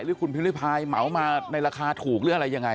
หรือคุณพิมริพายเหมามาในราคาถูกหรืออะไรยังไง